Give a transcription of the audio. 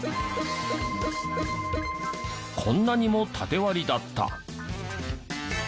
こんなにもタテ割りだった。